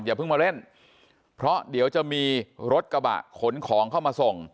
อย่าเพิ่งมาเล่นเพราะเดี๋ยวจะมีรถกระบะขนของเข้ามาส่ง